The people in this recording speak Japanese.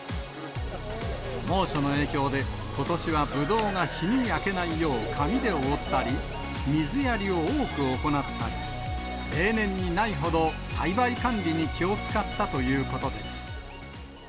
猛暑の影響で、ことしはぶどうが日に焼けないよう紙で覆ったり、水やりを多く行ったり、例年にないほど、栽培管理に気を遣ったということです。